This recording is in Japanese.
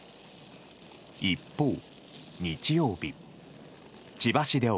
一方、日曜日。